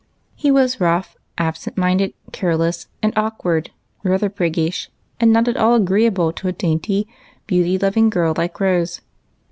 He was rough, absent minded, careless, and awkward, rather i:)riggish, and not at all agreeable to a dainty, beauty loving girl like Rose.